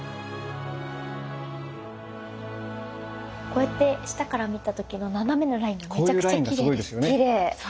こうやって下から見た時の斜めのラインがめちゃくちゃきれいです。